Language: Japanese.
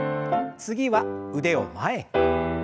次は腕を前。